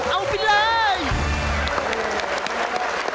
เอาไปเลย